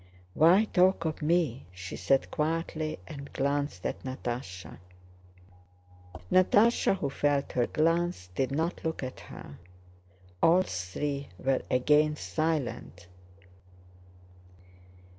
"Why talk of me?" she said quietly and glanced at Natásha. Natásha, who felt her glance, did not look at her. All three were again silent.